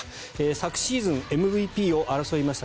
昨シーズン、ＭＶＰを争いました